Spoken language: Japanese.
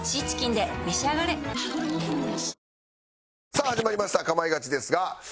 さあ始まりました『かまいガチ』ですが。